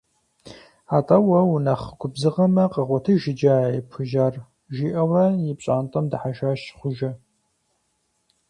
АтӀэ уэ унэхъ губзыгъэмэ, къэгъуэтыж иджы а епхужьар, - жиӀэурэ и пщӀантӀэм дыхьэжащ Хъуэжэ.